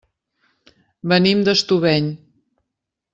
Venim d'Estubeny.